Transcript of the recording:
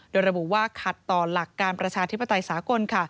โดยระบุว่าขัดต่อหลักการประชาธิปไตยสากล